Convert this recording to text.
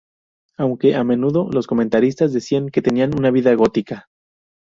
Aunque a menudo los comentaristas decían que tenían una vida gótica.